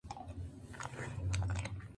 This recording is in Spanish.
Puede llevar como impurezas: plata o paladio.